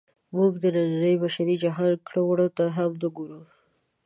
موږ د ننني بشري جهان کړو وړو ته هم نه ګورو.